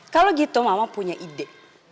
kalau gitu mama punya ide